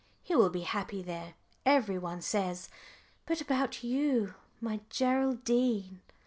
He will be happy there, every one says. But about you, my Geraldine."